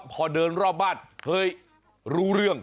พอเดินรอบบ้านเฮ้ยรู้เรื่อง